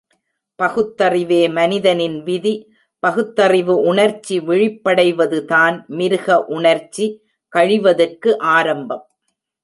பகுத்தறிவே மனிதனின் விதி பகுத்தறிவு உணர்ச்சி விழிப்படைவதுதான் மிருக உணர்ச்சி கழிவதற்கு ஆரம்பம்.